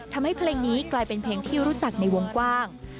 ทำให้เพลงนี้กลายเป็นเพลงที่รู้จักในวงกว้าง